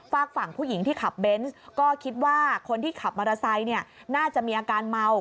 ฝากฝั่งผู้หญิงที่ขับเบนส์ก็คิดว่าคนที่ขับมอเตอร์ไซค์เนี่ยน่าจะมีอาการเมา